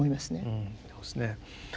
うんそうですね。